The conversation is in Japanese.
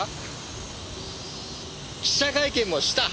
記者会見もした。